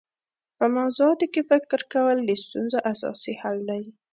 په موضوعاتو کي فکر کول د ستونزو اساسي حل دی.